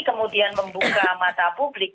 kemudian membuka mata publik